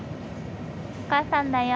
お母さんだよ。